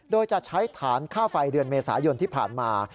โดยจะใช้ฐานค่าไฟเดือนเมษายนที่ผ่านมา